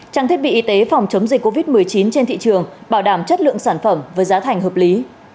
trang thiết bị y tế phòng chống dịch covid một mươi chín trên thị trường bảo đảm chất lượng sản phẩm với giá thành hợp lý